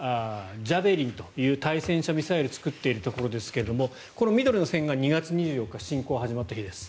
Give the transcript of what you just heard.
ジャベリンという対戦車ミサイルを作っているところですがこの緑の線が２月２４日侵攻が始まった日です。